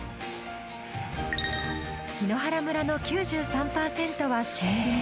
檜原村の９３％は森林。